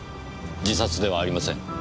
自殺ではありません。